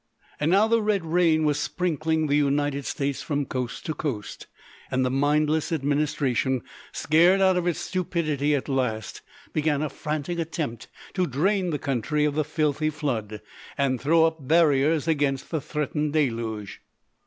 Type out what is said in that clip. And now the Red Rain was sprinkling the United States from coast to coast, and the mindless administration, scared out of its stupidity at last, began a frantic attempt to drain the country of the filthy flood and throw up barriers against the threatened deluge.